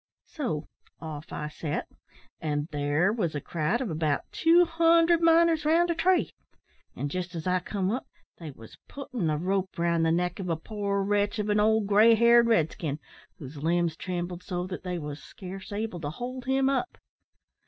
"So off I sot, and there wos a crowd o' about two hundred miners round a tree; and, jest as I come up, they wos puttin' the rope round the neck of a poor wretch of an old grey haired red skin, whose limbs trembled so that they wos scarce able to hold him up.